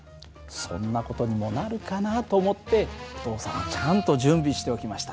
そんな事にもなるかなと思ってお父さんはちゃんと準備しておきました。